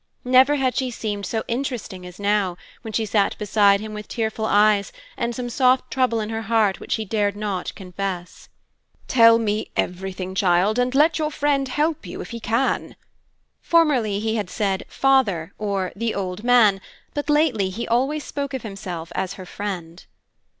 Never had she seemed so interesting as now, when she sat beside him with tearful eyes, and some soft trouble in her heart which she dared not confess. "Tell me everything, child, and let your friend help you if he can." Formerly he said "father" or "the old man," but lately he always spoke of himself as her "friend."